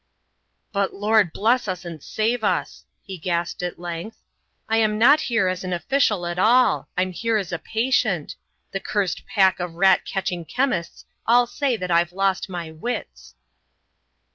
"But Lord bless us and save us!" he gasped, at length; "I'm not here as an official at all. I'm here as a patient. The cursed pack of rat catching chemists all say that I've lost my wits."